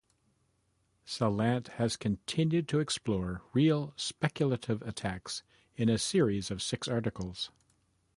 Salant has continued to explore real speculative attacks in a series of six articles.